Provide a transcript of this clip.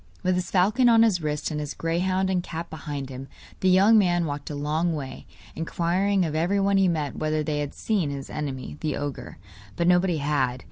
With his falcon on his wrist, and his greyhound and cat behind him, the young man walked a long way, inquiring of everyone he met whether they had seen his enemy the ogre. But nobody had.